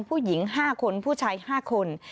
ผู้หญิง๕คนผู้ชาย๕คน